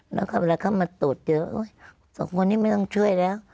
แล้วครับกลายก็มาตรวจเจอสองคนที่ไม่ต้องช่วยแล้ว